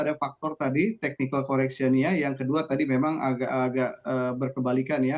tadi ada faktor tadi teknikal koreksinya yang kedua tadi memang agak agak berkebalikan ya